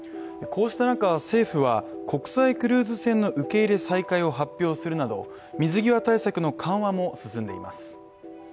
こうした中、政府は、国際クルーズ船の受け入れ再開を発表するなど水際対策の緩和も進んでいます。